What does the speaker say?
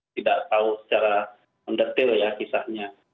tidak tahu secara mendetail ya kisahnya